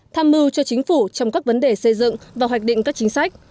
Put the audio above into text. tham mưu cho chính phủ trong các vấn đề xây dựng và hoạch định các chính sách